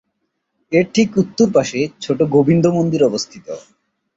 এর ঠিক উত্তর পাশে ছোট গোবিন্দ মন্দির অবস্থিত।